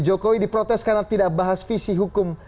jokowi diprotes karena tidak bahas visi hukum